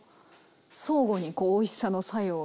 相互にこうおいしさの作用が。